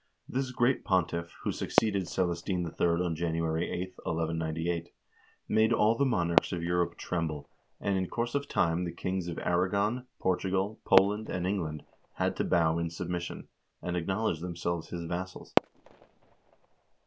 This great pontiff, who succeeded Celestine III. on January 8, 1198, made all the monarchs of Europe tremble, and in course of time the kings of Aragon, Portugal, Poland, and England had to bow in sub mission, and acknowledge themselves his vassals.